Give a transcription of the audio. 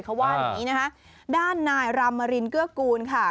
เขาว่าอย่างนี้นะคะด้านนายรามรินเกื้อกูลค่ะ